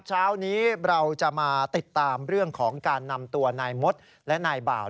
เช้านี้เราจะมาติดตามเรื่องของการนำตัวนายมดและนายบ่าว